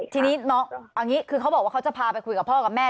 ทีนี้น้องเอาอย่างนี้คือเขาบอกว่าเขาจะพาไปคุยกับพ่อกับแม่